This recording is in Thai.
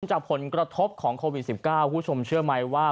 จากผลกระทบของโควิด๑๙คุณผู้ชมเชื่อไหมว่า